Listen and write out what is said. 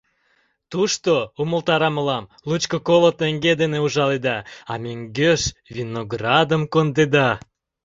Тушто, умылтара мылам, лучко-коло теҥге дене ужаледа, а мӧҥгеш виноградым кондеда.